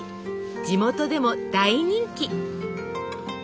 地元でも大人気！